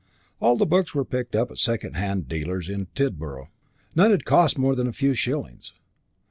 All the books were picked up at second hand dealers' in Tidborough, none had cost more than a few shillings.